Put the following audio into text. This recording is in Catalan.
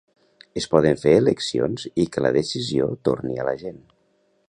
Es poden fer eleccions i que la decisió torni a la gent.